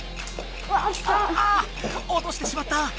あおとしてしまった！